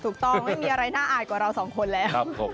ถูกต้องไม่มีอะไรน่าอาดกว่าเราสองคนแล้ว